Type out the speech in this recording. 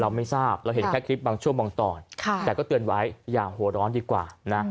ไม่ทราบเราเห็นแค่คลิปบางช่วงบางตอนแต่ก็เตือนไว้อย่าหัวร้อนดีกว่านะ